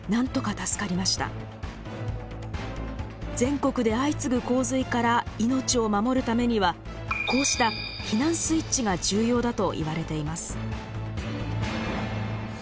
全国で相次ぐ洪水から命を守るためにはこうした避難スイッチが重要だといわれています。